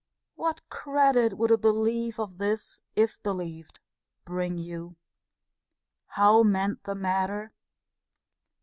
What credit would a belief of this, if believed, bring you? How mend the matter?